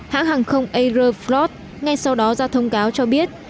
hãng hàng không aerflot ngay sau đó ra thông cáo cho biết